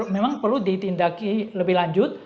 memang perlu ditindaki lebih lanjut